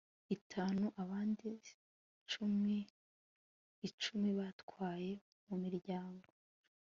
itanu abandi cumi icumi batware mu miryango